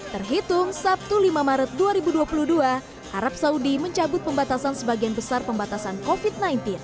terhitung sabtu lima maret dua ribu dua puluh dua arab saudi mencabut pembatasan sebagian besar pembatasan covid sembilan belas